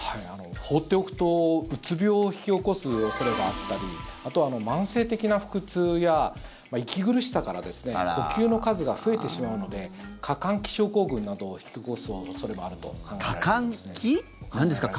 放っておくと、うつ病を引き起こす恐れがあったりあとは慢性的な腹痛や息苦しさから呼吸の数が増えてしまうので過換気症候群などを引き起こす恐れもあると考えられますね。